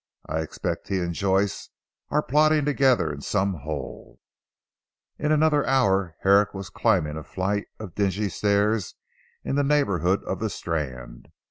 I expect he and Joyce are plotting together in some hole." In another hour Herrick was climbing a flight of dingy stairs in the neighbourhood of the Strand.